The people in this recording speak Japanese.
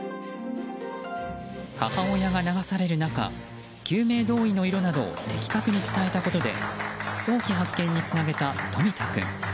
母親が流される中救命胴衣の色などを的確に伝えたことで早期発見につなげた冨田君。